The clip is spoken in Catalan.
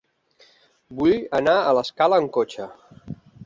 Vull anar a l'Escala amb cotxe.